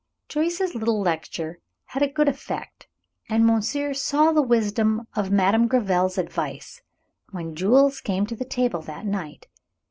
Joyce's little lecture had a good effect, and monsieur saw the wisdom of Madame Gréville's advice when Jules came to the table that night.